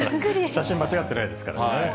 写真間違ってないですから。